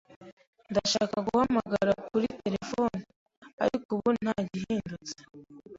Ndashaka guhamagara kuri terefone, ariko ubu nta gihindutse.